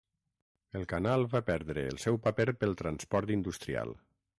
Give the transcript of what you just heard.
El canal va perdre el seu paper pel transport industrial.